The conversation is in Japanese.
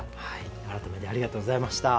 改めてありがとうございました。